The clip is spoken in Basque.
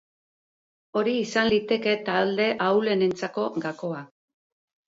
Hori izan liteke talde ahulenentzako gakoa.